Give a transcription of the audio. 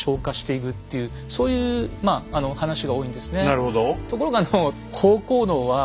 なるほど。